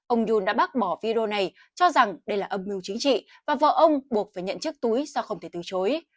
ông yun đã bác bỏ video này cho rằng đây là âm mưu chính trị và vợ ông buộc phải nhận chiếc túi do không thể từ chối